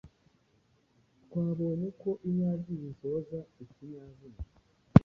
twabonye ko inyajwi zisoza ikinyazina